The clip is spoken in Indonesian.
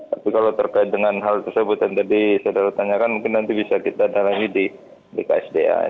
tapi kalau terkait dengan hal tersebut yang tadi saya telah bertanyakan mungkin nanti bisa kita darangi di bksda